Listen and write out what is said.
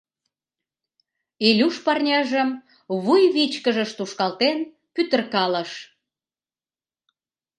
Илюш парняжым вуйвичкыжыш тушкалтен пӱтыркалыш.